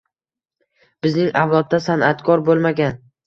“Bizning avlodda san’atkor bo’lmagan.